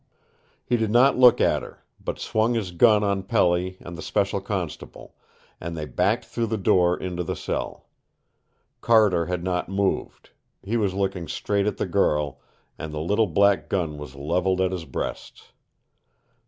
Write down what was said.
He did not look at her, but swung his gun on Pelly and the special constable, and they backed through the door into the cell. Carter had not moved. He was looking straight at the girl, and the little black gun was leveled at his breast.